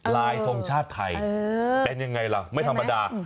ลายทรงชาติไทยเป็นยังไงล่ะไม่ธรรมดา